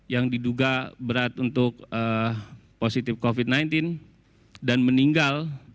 yang diduga berat untuk positif covid sembilan belas dan meninggal